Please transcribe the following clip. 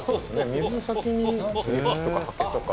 水を先に霧吹きとかはけとか」